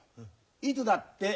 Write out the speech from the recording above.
いつだってな？